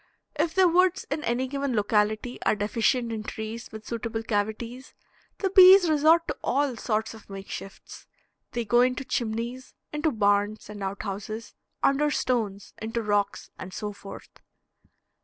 If the woods in any given locality are deficient in trees with suitable cavities, the bees resort to all sorts of makeshifts; they go into chimneys, into barns and outhouses, under stones, into rocks, and so forth.